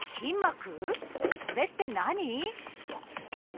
それって何？